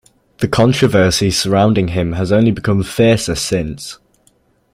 The controversy surrounding him has only become fiercer since.